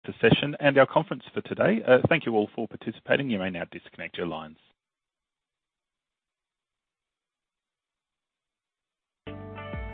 The session and our conference for today. Thank you all for participating. You may now disconnect your lines.